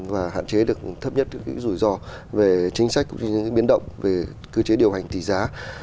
và hạn chế được thấp nhất những rủi ro về chính sách cũng như những biến động về cơ chế điều hành tỷ giá